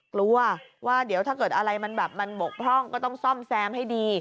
กลัวว่าเดี๋ยวถ้าเกิดอะไรมันแบบมันบกพร่องก็ต้องซ่อมแซมให้ดี